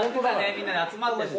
みんなで集まったり。